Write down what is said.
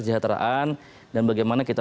sejahteraan dan bagaimana kita